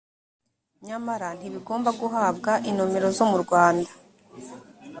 nyamara ntibigomba guhabwa inomero zo mu rwanda